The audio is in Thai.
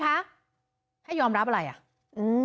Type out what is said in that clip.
คุยกับตำรวจเนี่ยคุยกับตำรวจเนี่ย